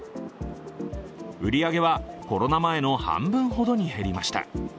売り上げはコロナ前の半分ほどに減りました。